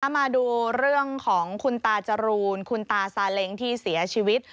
มาดูเรื่องของคุณตาจรูนคุณตาซาเล้งที่เสียชีวิต